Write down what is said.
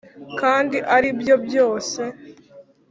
kandi aribyo byose